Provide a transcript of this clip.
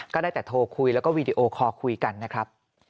ก็ได้แต่โทรคุยแล้วก็วีดีโอคอลคุยกันนะครับ